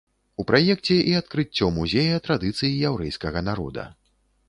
У праекце і адкрыццё музея традыцый яўрэйскага народа.